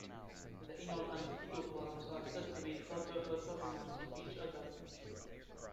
The enol and keto forms are said to be tautomers of each other.